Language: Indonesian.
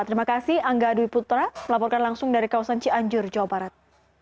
terima kasih angga dwi putra melaporkan langsung dari kawasan cianjur jawa barat